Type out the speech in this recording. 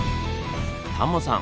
タモさん